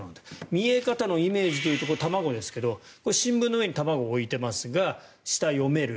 見え方のイメージというところ卵ですが新聞の上に卵を置いていますが下、読める